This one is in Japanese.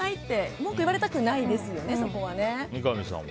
文句言われたくないですよね三上さんは？